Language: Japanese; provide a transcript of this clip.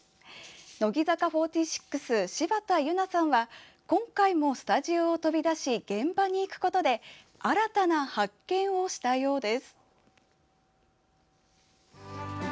乃木坂４６、柴田柚菜さんは今回もスタジオを飛び出し現場に行くことで新たな発見をしたようです。